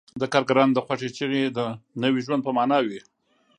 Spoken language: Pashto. د کارګرانو د خوښۍ چیغې د نوي ژوند په مانا وې